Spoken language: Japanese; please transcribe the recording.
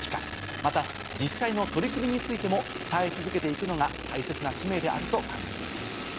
また実際の取り組みについても伝え続けて行くのが大切な使命であると考えています。